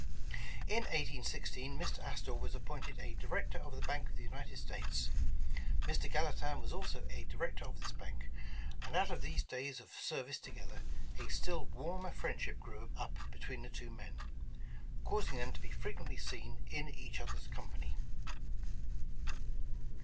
In 1816 Mr. Astor was appointed a Director of the Bank of the United States, Mr. Gallatin was also a director of this bank, and out of these days of service together, a still warmer friendship grew up between the two men, causing them to be frequently seen in each other's company.